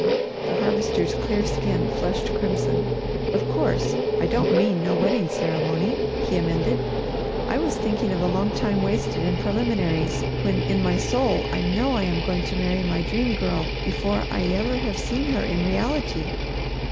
The Harvester's clear skin flushed crimson. "Of course, I don't mean no wedding ceremony," he amended. "I was thinking of a long time wasted in preliminaries when in my soul I know I am going to marry my Dream Girl before I ever have seen her in reality.